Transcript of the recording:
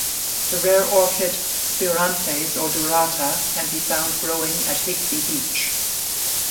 The rare orchid Spiranthes odorata can be found growing at Higbee Beach.